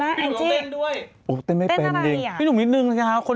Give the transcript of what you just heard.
น้ำมน้ำก็บอกให้เปิดคุณผู้ชมรอเต้นตามอยู่นะคะ